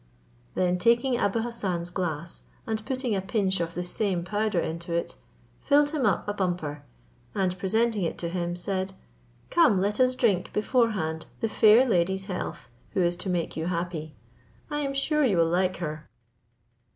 Then taking Abou Hassan's glass, and putting a pinch of the same powder into it, filled him up a bumper, and presenting it to him, said, "Come, let us drink beforehand the fair lady's health, who is to make you happy. I am sure you will like her."